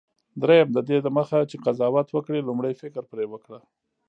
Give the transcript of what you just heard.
دریم: ددې دمخه چي قضاوت وکړې، لومړی فکر پر وکړه.